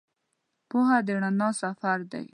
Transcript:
پوهه د رڼا سفر دی.